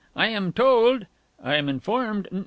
I am told ... I am informed